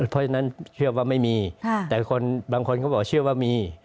เพราะฉะนั้นเชื่อว่าไม่มี